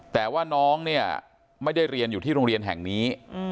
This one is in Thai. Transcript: แต่ว่าน้องเนี่ยไม่ได้เรียนอยู่ที่โรงเรียนแห่งนี้